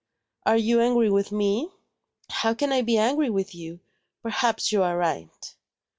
Are you angry with me?" "How can I be angry with you? Perhaps you are right."